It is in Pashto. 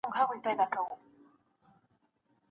خاطرې مو د ژوند درسونه دي.